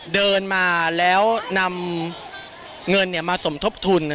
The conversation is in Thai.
เดินมาแล้วนำเงินมาสมทบทุน